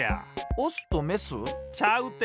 オスとメス？ちゃうって。